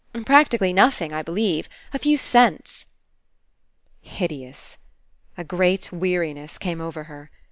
... Practically nothing, I believe. A few cents. ...'* Hideous. A great weariness came over her.